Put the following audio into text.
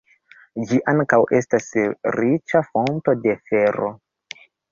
Ĝi ankaŭ estas riĉa fonto de fero.